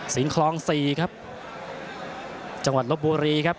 สิงคลอง๔ครับจังหวัดลบบุรีครับ